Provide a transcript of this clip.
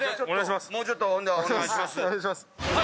お願いします。